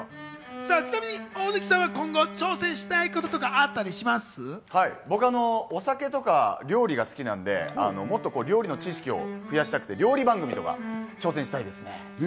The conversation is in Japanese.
ちなみに大貫さんは今後、挑戦したいこととかあっ僕はお酒とか、料理が好きなので、もっと料理の知識を増やしたくて、料理番組とか挑戦したいですね。